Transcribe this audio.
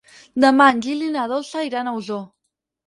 Demà en Gil i na Dolça iran a Osor.